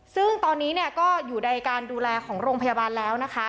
ซึ่งตอนนี้เนี่ยก็อยู่ในการดูแลของโรงพยาบาลแล้วนะคะ